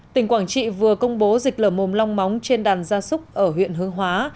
tỉnh quảng trị vừa công bố dịch lở mồm long móng trên đàn gia súc ở huyện hương hóa